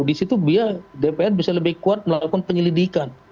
di situ dia dpr bisa lebih kuat melakukan penyelidikan